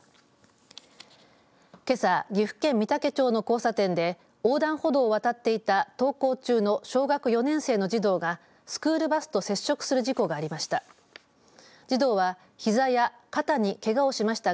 けさ、岐阜県御嵩町の交差点で横断歩道を渡っていた登校中の小学４年生の児童がスクールバスと接触する事故がありました。